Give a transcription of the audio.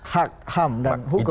hak ham dan hukum